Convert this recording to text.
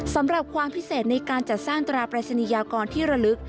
ความพิเศษในการจัดสร้างตราปรายศนียากรที่ระลึก